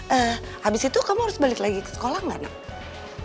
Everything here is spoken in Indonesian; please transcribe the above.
eh habis itu kamu harus balik lagi ke sekolah gak nam